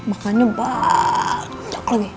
makannya baaakcak lagi